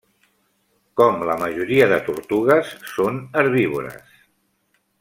Com la majoria de tortugues, són herbívores.